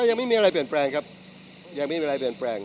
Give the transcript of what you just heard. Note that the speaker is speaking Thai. ยังไม่มีอะไรเปลี่ยนแปลงครับยังไม่มีอะไรเปลี่ยนแปลง